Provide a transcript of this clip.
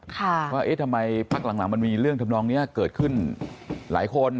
ว่าเอ๊ะทำไมพักหลังมันมีเรื่องทำนองนี้เกิดขึ้นหลายคน